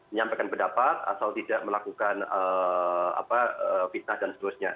menyampaikan pendapat atau tidak melakukan fitnah dan seterusnya